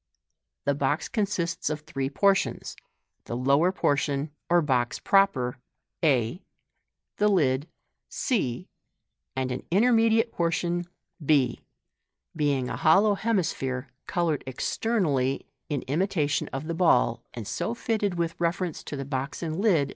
The box consists of three por tions— the lower portion, or box proper a, the lid c, and an interme 2g0 MODERN MAGIC. diate portion b,b ing a hollow hemisphere coloured externally in imi» tation of the ball, and so fitted with reference to the box and lid.